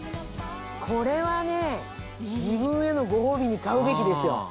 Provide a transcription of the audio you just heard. これはね自分へのご褒美に買うべきですよ。